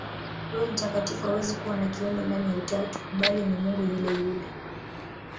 Roho Mtakatifu hawezi kuwa kiumbe ndani ya Utatu, bali ni Mungu yule yule.